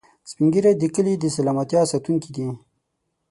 سپین ږیری د کلي د سلامتیا ساتونکي دي